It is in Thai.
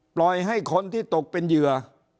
ปล่อยให้คนที่ตกเป็นเหยื่อ